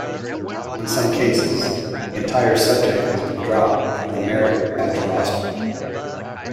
In some cases, the entire subject has been dropped from the merit badge roster.